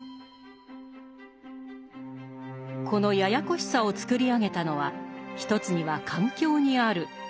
このややこしさを作り上げたのは一つには環境にあると司馬太郎は語る。